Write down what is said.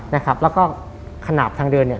นะครับแล้วก็ขนาดทางเดินเนี่ย